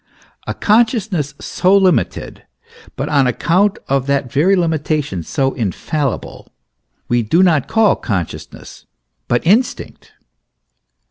A consciousness so limited, but on account of that very limitation so infallible, we do not call consciousness, but instinct.